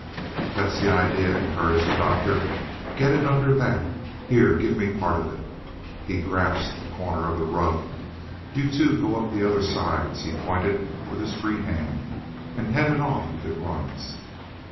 "That's the idea," encouraged the Doctor. "Get it under that. Here, give me part of it." He grasped a corner of the rug. "You two go up the other sides" he pointed with his free hand "and head it off if it runs."